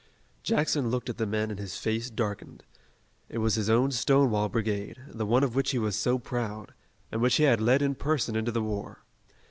Jackson looked at the men and his face darkened. It was his own Stonewall Brigade, the one of which he was so proud, and which he had led in person into the war.